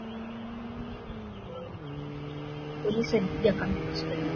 Polisi walipiga kambi usiku wa Ijumaa katika eneo ambako kiongozi